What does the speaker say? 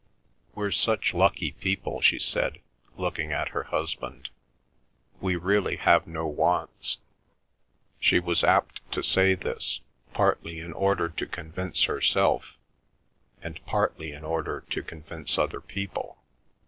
"We're such lucky people," she said, looking at her husband. "We really have no wants." She was apt to say this, partly in order to convince herself, and partly in order to convince other people.